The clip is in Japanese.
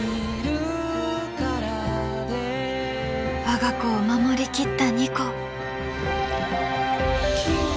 我が子を守りきったニコ。